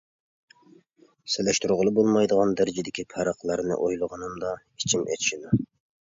سېلىشتۇرغىلى بولمايدىغان دەرىجىدىكى پەرقلەرنى ئويلىغىنىمدا ئىچىم ئېچىشىدۇ.